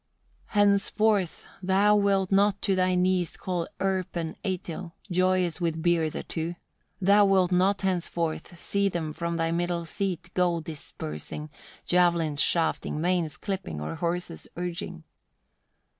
Henceforth thou wilt not to thy knees call Erp and Eitil, joyous with beer the two: thou wilt not henceforth, see them from thy middle seat, gold dispersing, javelins shafting, manes clipping, or horses urging."